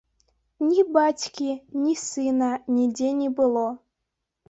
Ні бацькі, ні сына нідзе не было.